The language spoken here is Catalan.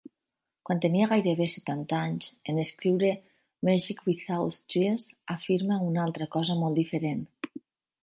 Quan tenia gairebé setanta anys, en escriure "Magick Without Tears" afirma una altra cosa molt diferent.